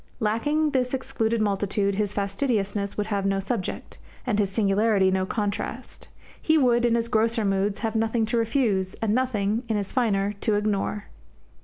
Lacking this excluded multitude his fastidiousness would have no subject, and his singularity no contrast. He would, in his grosser moods, have nothing to refuse, and nothing, in his finer, to ignore.